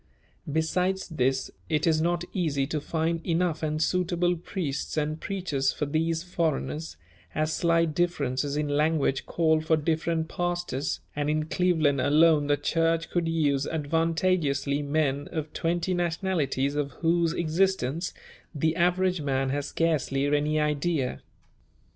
Besides this, it is not easy to find enough and suitable priests and preachers for these foreigners, as slight differences in language call for different pastors, and in Cleveland alone the Church could use advantageously men of twenty nationalities of whose existence the average man has scarcely any idea.